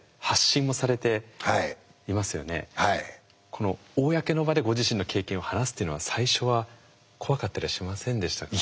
この公の場でご自身の経験を話すっていうのは最初は怖かったりはしませんでしたか。